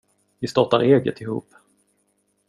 Vi startar eget ihop.